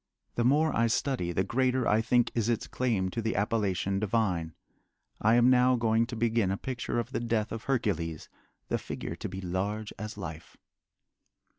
The more I study the greater I think is its claim to the appellation divine. I am now going to begin a picture of the death of Hercules, the figure to be large as life.